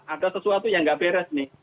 ada sesuatu yang nggak beres nih